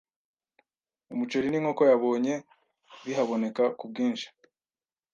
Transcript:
umuceri n’inkoko yabonye bihaboneka ku bwinshi.